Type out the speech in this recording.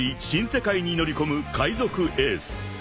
新世界に乗り込む海賊エース］